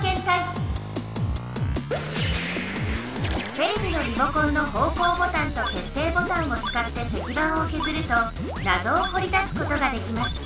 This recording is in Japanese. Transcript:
テレビのリモコンの方こうボタンと決定ボタンをつかって石版をけずるとなぞをほり出すことができます。